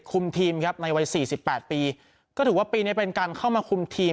คุมทีมครับในวัยสี่สิบแปดปีก็ถือว่าปีนี้เป็นการเข้ามาคุมทีม